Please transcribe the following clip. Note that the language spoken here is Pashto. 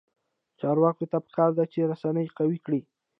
چارواکو ته پکار ده چې، رسنۍ قوي کړي.